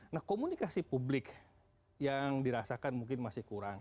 nah komunikasi publik yang dirasakan mungkin masih kurang